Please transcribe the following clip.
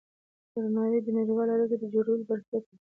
درناوی د نړیوالو اړیکو د جوړولو بنسټ دی.